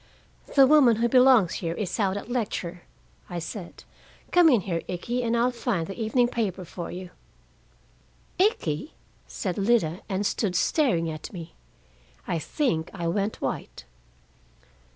"The woman who belongs here is out at a lecture," I said. "Come in here, Ikkie, and I'll find the evening paper for you. "'Ikkie'!" said Lida, and stood staring at me. I think I went white.